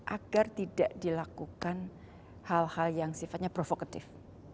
agar tidak dilakukan hal hal yang sifatnya provokatif